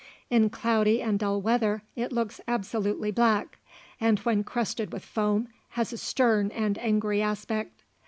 In cloudy and dull weather it looks absolutely black, and when crested with foam has a stern and angry aspect.